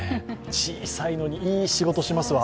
小さいのにいい仕事しますわ。